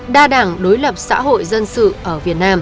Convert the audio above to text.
đa đảng đối lập xã hội dân sự ở việt nam